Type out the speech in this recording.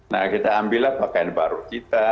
nah kita ambillah pakaian baru kita